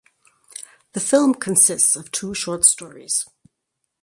The film consists of two short stories.